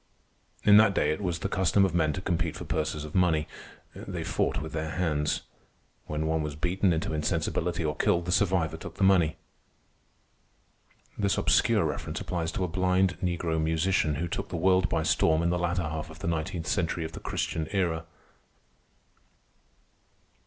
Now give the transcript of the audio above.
In that day it was the custom of men to compete for purses of money. They fought with their hands. When one was beaten into insensibility or killed, the survivor took the money. This obscure reference applies to a blind negro musician who took the world by storm in the latter half of the nineteenth century of the Christian Era.